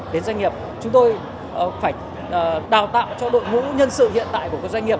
đến doanh nghiệp chúng tôi phải đào tạo cho đội ngũ nhân sự hiện tại của các doanh nghiệp